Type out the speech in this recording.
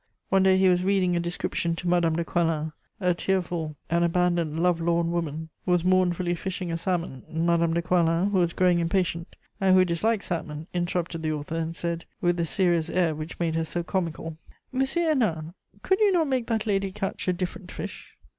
One day he was reading a description to Madame de Coislin: a tearful and abandoned love lorn woman was mournfully fishing a salmon. Madame de Coislin, who was growing impatient, and who disliked salmon, interrupted the author and said with the serious air which made her so comical: "Monsieur Hennin, could you not make that lady catch a different fish?"